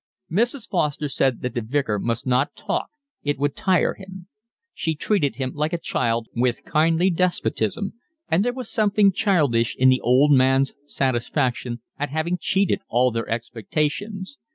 Mrs. Foster said that the Vicar must not talk, it would tire him; she treated him like a child, with kindly despotism; and there was something childish in the old man's satisfaction at having cheated all their expectations.